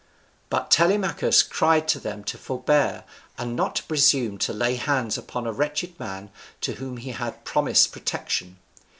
But Telemachus cried to them to forbear, and not to presume to lay hands upon a wretched man to whom he had promised protection.